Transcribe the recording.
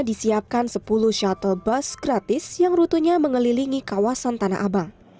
disiapkan sepuluh shuttle bus gratis yang rutunya mengelilingi kawasan tanah abang